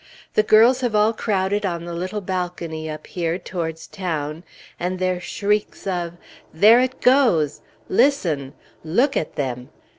The girls have all crowded on the little balcony up here, towards town, and their shrieks of "There it goes!" "Listen!" "Look at them!"